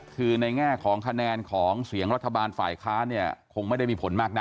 คือในแง่ของคะแนนของเสียงรัฐบาลฝ่ายค้านเนี่ยคงไม่ได้มีผลมากนัก